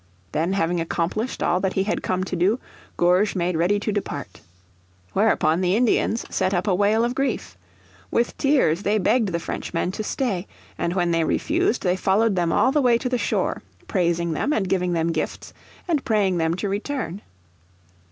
Then, having accomplished all that he had come to do, Gourges made ready to depart. Whereupon the Indians set up a wail of grief. With tears they begged the Frenchmen to stay, and when they refused they followed them all the way to the shore, praising them and giving them gifts, and praying them to return.